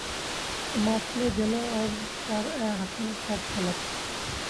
تمثالِ جلوہ عرض کر اے حسن! کب تلک